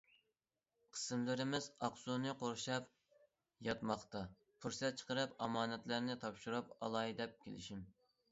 قىسىملىرىمىز ئاقسۇنى قورشاپ ياتماقتا پۇرسەت چىقىرىپ ئامانەتلەرنى تاپشۇرۇپ ئالاي، دەپ كېلىشىم.